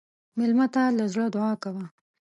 مېلمه ته له زړه دعا کوه.